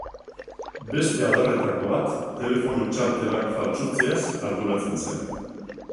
Beste adarretako bat telefono txartelak faltsutzeaz arduratzen zen.